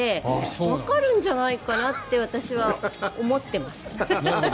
わかるんじゃないかなって私は思ってます。